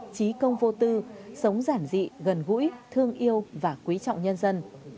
trí công vô tư sống giản dị gần gũi thương yêu và quý trọng nhân dân